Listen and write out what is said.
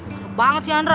gak ada banget si andra